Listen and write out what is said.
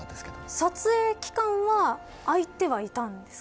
撮影期間は空いてはいたんですか。